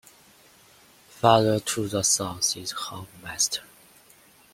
Farther to the south is Hoffmeister.